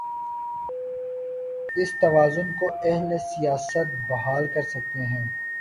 اس توازن کو اہل سیاست بحال کر سکتے ہیں۔